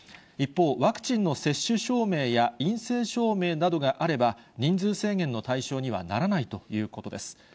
一方、ワクチンの接種証明や陰性証明などがあれば、人数制限の対象にはならないということです。